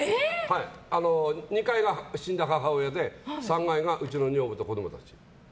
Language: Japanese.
２階が死んだ母親で３階が、うちの女房と子供たち。